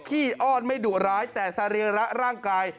้อ้อนไม่ดุร้ายแต่สรีระร่างกาย